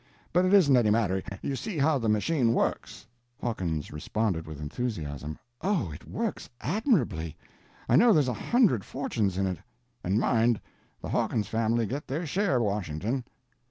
But it isn't any matter; you see how the machine works." Hawkins responded with enthusiasm: "O, it works admirably! I know there's a hundred fortunes in it." "And mind, the Hawkins family get their share, Washington."